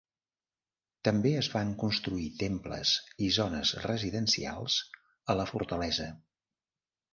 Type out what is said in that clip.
També es van construir temples i zones residencials a la fortalesa.